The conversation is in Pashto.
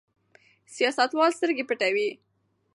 سیاستوال سترګې پټوي.